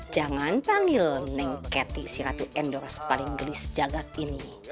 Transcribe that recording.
jangan panggil neng cathy si ratu endoros paling gelis jagad ini